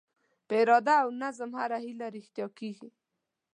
په اراده او نظم هره هیله رښتیا کېږي.